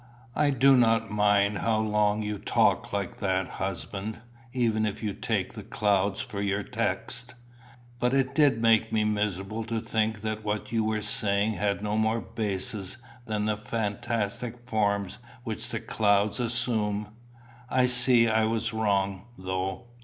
"I do not mind how long you talk like that, husband, even if you take the clouds for your text. But it did make me miserable to think that what you were saying had no more basis than the fantastic forms which the clouds assume. I see I was wrong, though."